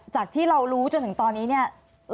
จากที่เรารู้จนถึงตอนนี้เนี่ย